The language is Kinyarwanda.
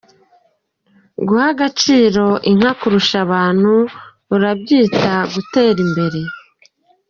Guha agaciro inka kurusha abantu urabyita gutera imbere.